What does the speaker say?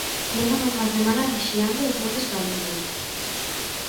Levan unha semana vixiando os montes galegos.